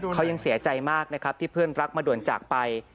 เขายังเสียใจมากนะครับที่เพื่อนรักมาด่วนจากไป